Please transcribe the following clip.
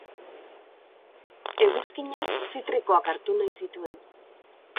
Eguzkiñek zitrikoak hartu nahi zituen.